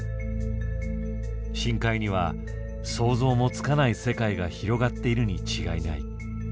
深海には想像もつかない世界が広がっているに違いない。